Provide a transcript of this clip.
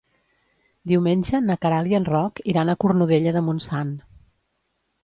Diumenge na Queralt i en Roc iran a Cornudella de Montsant.